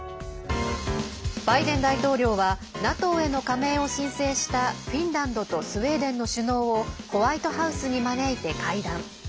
バイデン大統領はＮＡＴＯへの加盟を申請したフィンランドとスウェーデンの首脳をホワイトハウスに招いて会談。